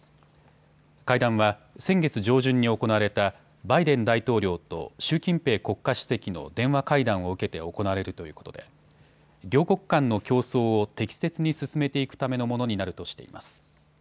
会談は先月上旬に行われたバイデン大統領と習近平国家主席の電話会談を受けて行われるということで両国間の競争を適切に進めていくためのものになるとしています。